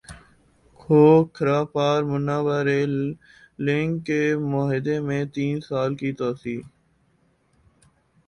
کھوکھرا پار Munabao rail link کے معاہدے میں تین سال کی توسیع